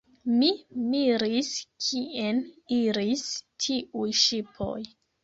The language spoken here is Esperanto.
Mi miris kien iris tiuj ŝipoj.